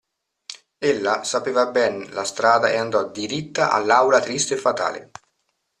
Ella sapeva ben la strada e andò diritta all'aula triste e fatale.